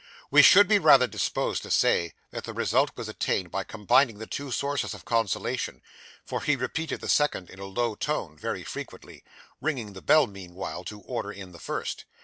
We should be rather disposed to say that the result was attained by combining the two sources of consolation, for he repeated the second in a low tone, very frequently; ringing the bell meanwhile, to order in the first.